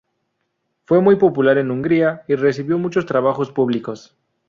Fue muy popular en Hungría y recibió muchos trabajos públicos.